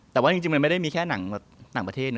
แต่ว่าจริงมันไม่ได้มีแค่หนังต่างประเทศนะ